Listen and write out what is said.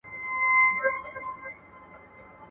جنګ به ختم پر وطن وي نه غلیم نه به دښمن وي.